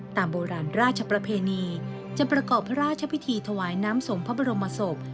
ตามโบราณราชประเพณีจะประกอบพระราชพิธีถวายน้ำส่งพระบรมศพ